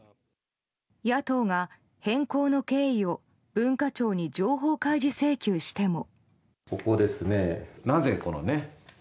野党が変更の経緯を文化庁に情報開示請求しても。